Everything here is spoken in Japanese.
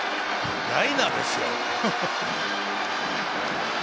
ライナーですよ。